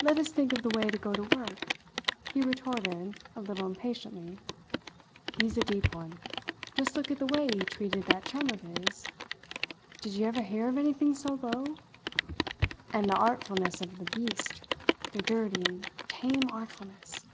"Let us think of the way to go to work," he retorted a little impatiently. "He's a deep one. Just look at the way he treated that chum of his. Did you ever hear of anything so low? And the artfulness of the beast the dirty, tame artfulness!"